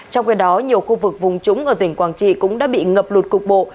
trong khi đó nhiều khu vực vùng trũng ở tỉnh quảng trị cũng đã bị ngập lụt cục bộ